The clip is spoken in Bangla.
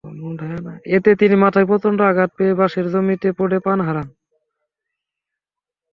এতে তিনি মাথায় প্রচণ্ড আঘাত পেয়ে পাশের জমিতে পড়ে প্রাণ হারান।